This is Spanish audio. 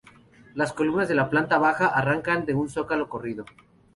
Las columnas de la planta baja arrancan de un zócalo corrido.